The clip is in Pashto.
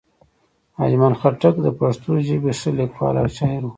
اجمل خټک د پښتو ژبې ښه لیکوال او شاعر وو